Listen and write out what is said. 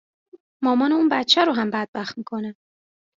مامانِ اون بچه رو هم بدبخت میکنه